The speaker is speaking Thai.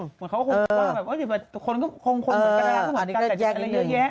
เขาคงว่าคนเหมือนกันแล้วคงอาจจะแยกเยอะแยะ